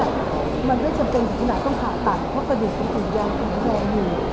มันไม่จำเป็นที่น่าต้องผ่าตัดเพราะกระดิษฐ์เป็นสินทรียางของแทนอยู่